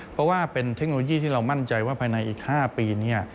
เพราะว่าเป็นเทคโนโลยีที่เรามั่นใจว่าภายในอีก๕ปี